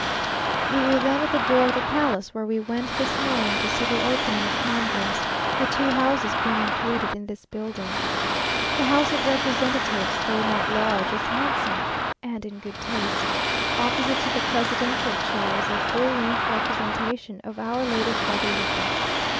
We were then at the door of the palace, where we went this morning to see the opening of Congress, the two houses being included in this building. The House of Representatives, though not large, is handsome, and in good taste. Opposite to the presidential chair is a full length representation of Our Lady of Guadalupe.